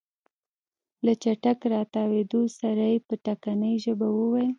له چټک راتاوېدو سره يې په ټکنۍ ژبه وويل.